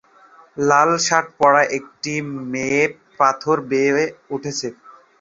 লাল shirt পরা একটি মেয়ে পাথর বেয়ে উঠছে।